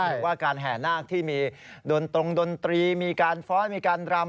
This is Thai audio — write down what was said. หรือว่าการแห่นาคที่มีดนตรงดนตรีมีการฟ้อนมีการรำ